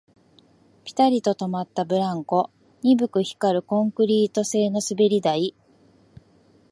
ピタリと止まったブランコ、鈍く光るコンクリート製の滑り台